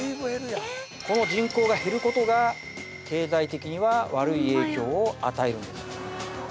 この人口が減ることが経済的には悪い影響を与えるんです